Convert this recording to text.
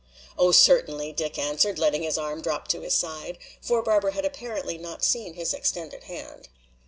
"Oh, certainly," Dick answered, letting his arm drop to his side. For Barbara had apparently not seen his extended hand.